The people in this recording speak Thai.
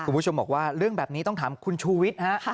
คุณผู้ชมบอกว่าเรื่องแบบนี้ต้องถามคุณชูวิทย์ฮะ